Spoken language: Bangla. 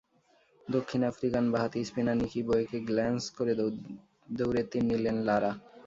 দক্ষিণ আফ্রিকান বাঁহাতি স্পিনার নিকি বোয়েকে গ্ল্যান্স করে দৌড়ে তিন নিলেন লারা।